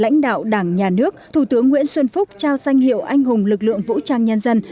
lãnh đạo đảng nhà nước thủ tướng nguyễn xuân phúc trao danh hiệu anh hùng lực lượng vũ trang nhân dân